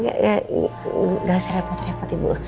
gak usah repot repot ibu